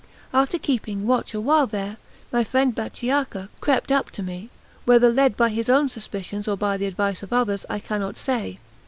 After keeping watch awhile there, my friend Bachiacca crept up to me; whether led by his own suspicions or by the advice of others, I cannot say.